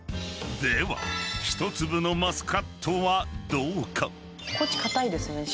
［ではひとつぶのマスカットはどうか？］